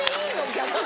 逆に。